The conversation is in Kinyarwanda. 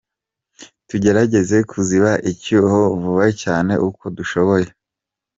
Tugerageza kuziba icyuho vuba cyane uko dushoboye.